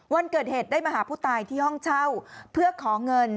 วันเกิดเหตุได้มาหาผู้ตายที่ห้องเช่าเพื่อขอเงิน